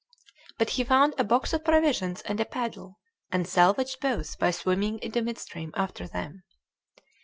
But he found a box of provisions and a paddle, and salvaged both by swimming into midstream after them.